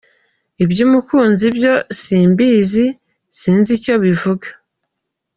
Iby’umukunzi byo simbizi, sinzi icyo bivuga.